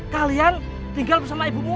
kalian tinggal bersama ibumu